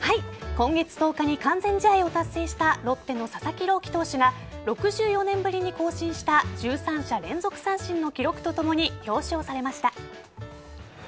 今月１０日に完全試合を達成したロッテの佐々木朗希投手が６４年ぶりに更新した１３者連続三振の記録とともに表彰されました。